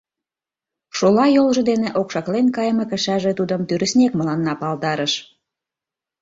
Шола йолжо дене окшаклен кайыме кышаже тудым тӱрыснек мыланна палдарыш.